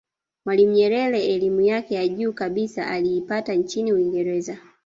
mwalimu nyerere elimu yake ya juu kabisa aliipata nchini uingereza